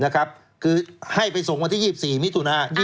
คือให้ไปส่งวันที่๒๔มิถุนา